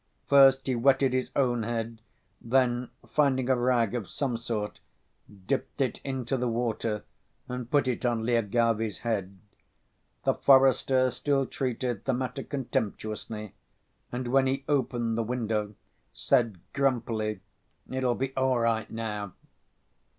First he wetted his own head, then, finding a rag of some sort, dipped it into the water, and put it on Lyagavy's head. The forester still treated the matter contemptuously, and when he opened the window said grumpily: "It'll be all right, now."